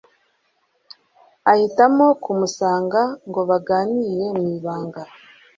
Ahitamo kumusanga ngo baganire mw’ibanga,